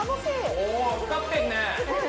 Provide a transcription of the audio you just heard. お光ってんね！